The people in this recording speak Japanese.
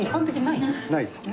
ないですね。